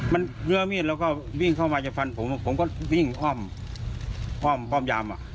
มันเลื้อมีดแล้วก็วิ่งเข้ามาจะฟันผมผมก็วิ่งอ้อมอ้อมยามอ่ะ